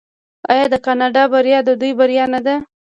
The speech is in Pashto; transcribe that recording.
آیا د کاناډا بریا د دوی بریا نه ده؟